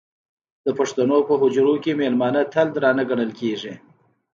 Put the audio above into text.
د پښتنو په حجرو کې مېلمانه تل درانه ګڼل کېږي.